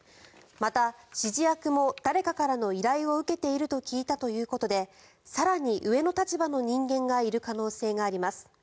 また、指示役も誰かからの依頼を受けていると聞いたということで更に上の立場の人間がいる可能性があります。